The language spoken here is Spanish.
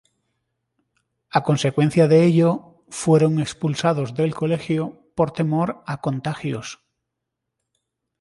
A consecuencia de ello, fueron expulsados del colegio por temor a contagios.